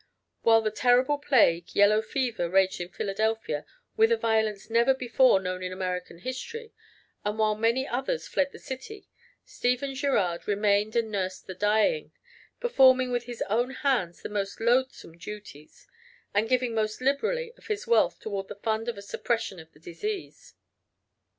While the terrible plague, yellow fever, raged in Philadelphia with a violence never before known in American history, and while many others fled the city, Stephen Girard remained and nursed the dying, performing with his own hands the most loathesome duties, and giving most liberally of his wealth toward the fund for the suppression of the disease.